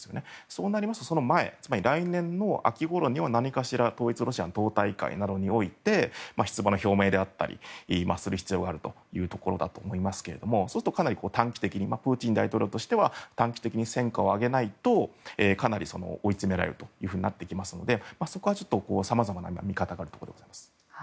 そうなりますとその前来年の秋ごろには何かしらロシアの党大会などにおいて出馬の表明であったりする必要がありますがそうすると、かなり短期的にプーチン大統領としては短期的に戦果を挙げないとかなり追いつめられる状況になっていきますのでそこは、さまざまな見方があるところです。